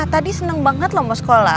tadi senang banget lo mau sekolah